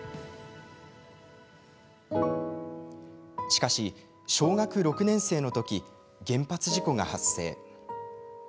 しかし、小学６年生のとき原発事故が発生。